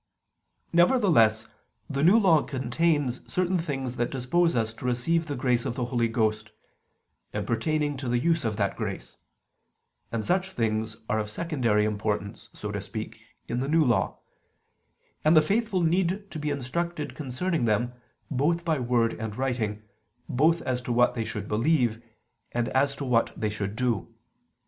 Nevertheless the New Law contains certain things that dispose us to receive the grace of the Holy Ghost, and pertaining to the use of that grace: such things are of secondary importance, so to speak, in the New Law; and the faithful need to be instructed concerning them, both by word and writing, both as to what they should believe and as to what they should do.